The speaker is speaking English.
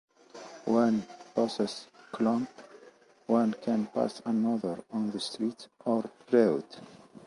When buses clump, one can pass another on the street or road.